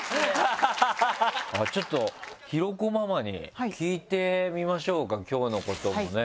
ちょっと広子ママに聞いてみましょうか今日のこともね。